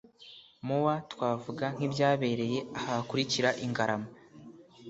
mu wa twavuga nk ibyabereye aha hakurikira i Ngarama